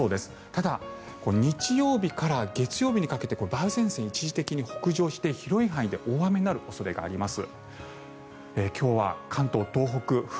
ただ日曜日から月曜日にかけて梅雨前線、一時的に北上して広い範囲で大雨になる恐れがあります。